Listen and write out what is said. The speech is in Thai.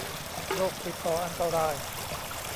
โรคติดต่ออันตราย